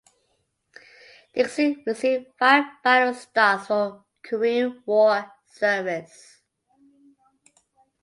"Dixie" received five battle stars for Korean War service.